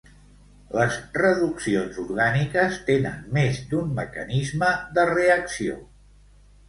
Les reduccions orgàniques tenen més d'un mecanisme de reacció.